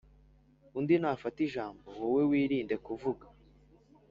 undi nafata ijambo, wowe wirinde kuvuga.